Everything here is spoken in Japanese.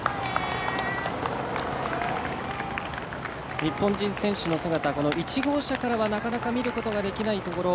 日本選手の姿、１号車からはなかなか見ることができないところ。